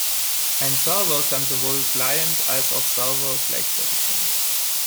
Ein Server kann sowohl Client als auch Server gleichzeitig sein.